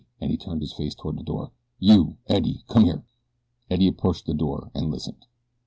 and he turned his face toward the door. "You, Eddie! Come here!" Eddie approached the door and listened.